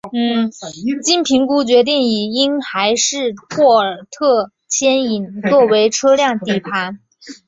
经评估决定以婴孩式霍尔特牵引车作为车辆底盘。